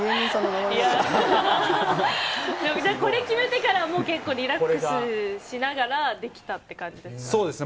これ決めてから、もう結構リラックスしながらできたという感じでそうですね。